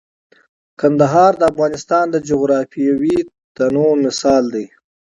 کندهار د افغانستان د جغرافیوي تنوع مثال دی.